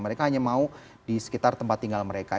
mereka hanya mau di sekitar tempat tinggal mereka